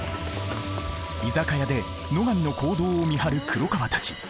居酒屋で野上の行動を見張る黒川たち。